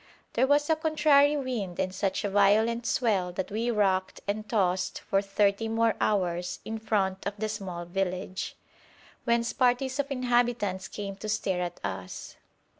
There was a contrary wind and such a violent swell that we rocked and tossed for thirty more hours in front of the small village, whence parties of inhabitants came to stare at us.